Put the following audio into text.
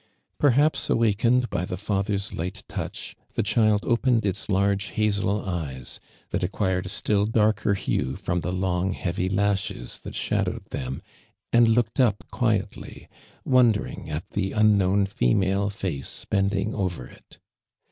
Perhaps, awakened by the father's light touch, the child opened its large hazel eyes, that acquir ed a still darker hue from the long heavy lashes that shadowed them, and looked up quietly, wondering at the trnknown female face bending over it.